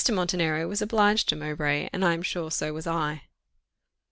Montenero was obliged to Mowbray, and I am sure so was I.